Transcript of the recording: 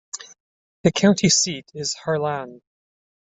The county seat is Harlan.